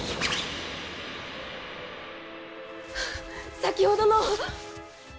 先ほどの！